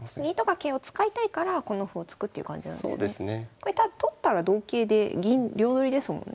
これ取ったら同桂で銀両取りですもんね。